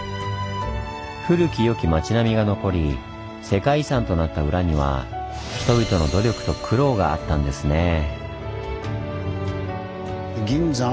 古きよき町並みが残り世界遺産となった裏には人々の努力と苦労があったんですねぇ。